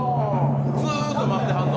ずっと待ってはるぞ。